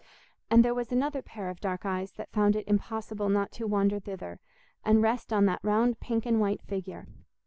And there was another pair of dark eyes that found it impossible not to wander thither, and rest on that round pink and white figure.